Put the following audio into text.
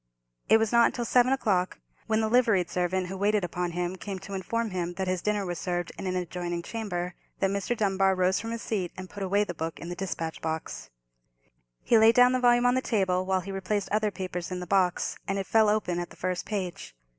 It was not till seven o'clock, when the liveried servant who waited upon him came to inform him that his dinner was served in an adjoining chamber, that Mr. Dunbar rose from his seat and put away the book in the despatch box. He laid down the volume on the table while he replaced other papers in the box, and it fell open at the first page.